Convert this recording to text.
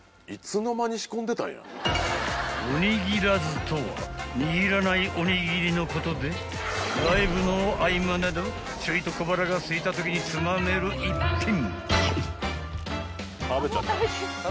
［おにぎらずとは握らないおにぎりのことでライブの合間などちょいと小腹がすいたときにつまめる一品］